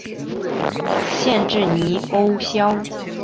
县治尼欧肖。